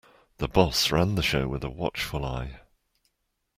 The boss ran the show with a watchful eye.